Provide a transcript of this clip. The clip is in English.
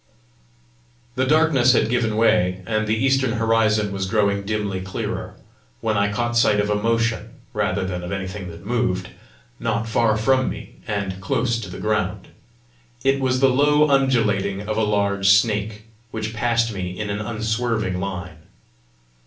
The darkness had given way, and the eastern horizon was growing dimly clearer, when I caught sight of a motion rather than of anything that moved not far from me, and close to the ground. It was the low undulating of a large snake, which passed me in an unswerving line.